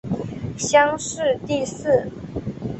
乡试第四。